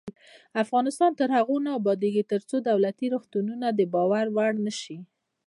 افغانستان تر هغو نه ابادیږي، ترڅو دولتي روغتونونه د باور وړ نشي.